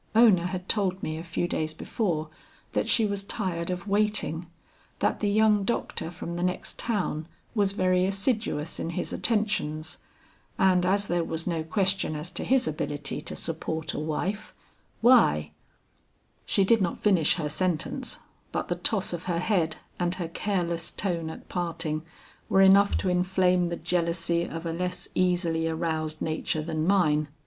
Ona had told me a few days before that she was tired of waiting, that the young doctor from the next town was very assiduous in his attentions, and as there was no question as to his ability to support a wife, why she did not finish her sentence, but the toss of her head and her careless tone at parting, were enough to inflame the jealousy of a less easily aroused nature than mine.